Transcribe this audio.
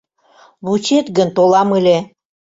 Вучет гын, толам ыле.